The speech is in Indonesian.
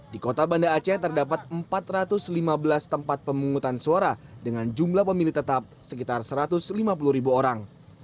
di kota banda aceh terdapat empat ratus lima belas tempat pemungutan suara dengan jumlah pemilih tetap sekitar satu ratus lima puluh ribu orang